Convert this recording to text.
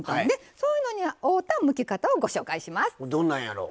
そういうのに合ったむき方を紹介します。